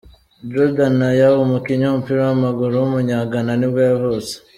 Jordan Ayew, umukinnyi w’umupira w’amaguru w’umunya-Ghana nibwo yavutse.